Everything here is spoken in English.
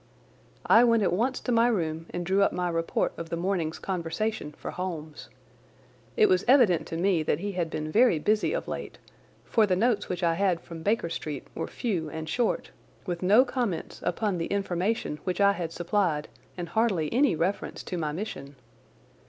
I went at once to my room and drew up my report of the morning's conversation for Holmes. It was evident to me that he had been very busy of late, for the notes which I had from Baker Street were few and short, with no comments upon the information which I had supplied and hardly any reference to my mission.